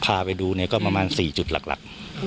พาไปดูเนี่ยก็ประมาณ๔จุดหลัก